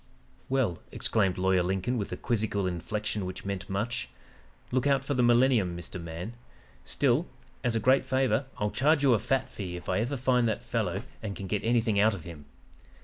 "'Well,' exclaimed Lawyer Lincoln with a quizzical inflection which meant much. 'Look out for the millennium, Mr. Man still, as a great favor, I'll charge you a fat fee if I ever find that fellow and can get anything out of him.